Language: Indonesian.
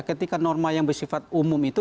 ketika norma yang bersifat umum itu